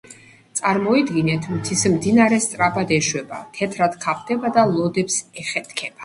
წარმოიდგინეთ მთის მდინარე სწრაფად ეშვება, თეთრად ქაფდება და ლოდებს ეხეთქება.